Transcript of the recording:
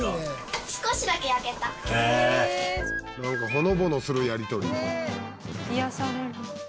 ほのぼのするやり取り。